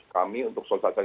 kami untuk sosialisasi